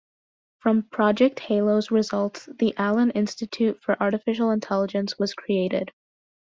From Project Halo's results, the Allen Institute for Artificial Intelligence was created.